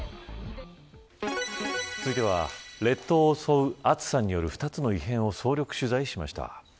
続いては列島を襲う暑さによる２つの異変を総力取材しました。